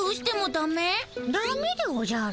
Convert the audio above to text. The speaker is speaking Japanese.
ダメでおじゃる。